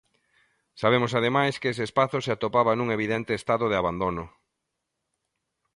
Sabemos, ademais, que ese espazo se atopaba nun evidente estado de abandono.